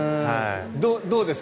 どうですか